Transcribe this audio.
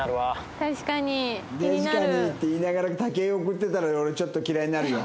「確かに」って言いながら武井を送ってたら俺ちょっと嫌いになるよ。